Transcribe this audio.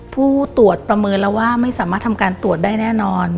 ผู้ตรวจประเมินแล้วว่าไม่สามารถทำการตรวจได้แน่นอน